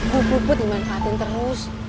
bu put bu dimanfaatin terus